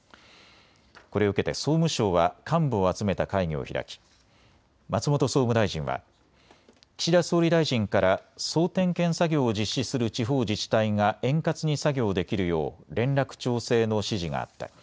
これを受けて総務省は幹部を集めた会議を開き松本総務大臣は岸田総理大臣から総点検作業を実施する地方自治体が円滑に作業できるよう連絡調整の指示があった。